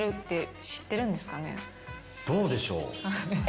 どうでしょう。